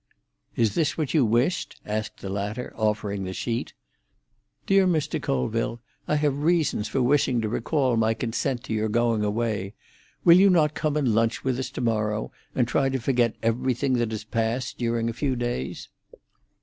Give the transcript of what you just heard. "Is this what you wished?" asked the latter, offering the sheet:—— "Dear Mr. Colville,—I have reasons for wishing to recall my consent to your going away. Will you not come and lunch with us to morrow, and try to forget everything that has passed during a few days?